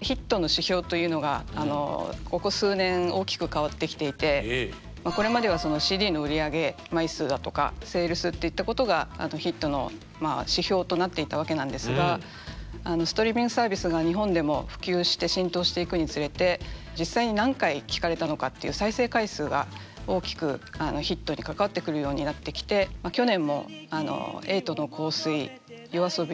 ヒットの指標というのがここ数年大きく変わってきていてこれまではＣＤの売り上げ枚数だとかセールスっていったことがヒットの指標となっていたわけなんですがストリーミングサービスが日本でも普及して浸透していくにつれて実際に何回聴かれたのかっていう再生回数が大きくヒットに関わってくるようになってきて去年も瑛人の「香水」ＹＯＡＳＯＢＩ